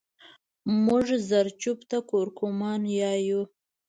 مونږ زرچوب ته کورکمان يايو